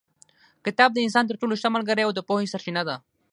کتاب د انسان تر ټولو ښه ملګری او د پوهې سرچینه ده.